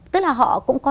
tức là họ cũng có